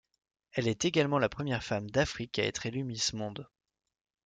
Elle est également la première femme d'Afrique à être élue Miss Monde.